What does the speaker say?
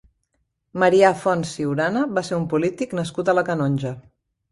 Marià Fonts Ciurana va ser un polític nascut a la Canonja.